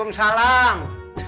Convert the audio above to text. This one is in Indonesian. ya ampun bang